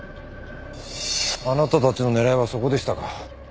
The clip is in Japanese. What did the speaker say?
あなたたちの狙いはそこでしたか。